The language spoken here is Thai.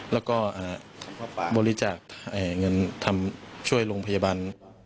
แล้วก็บริจาคเงินทำช่วยโรงพยาบาล